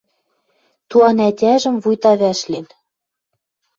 Туан ӓтяжӹм вуйта вӓшлин.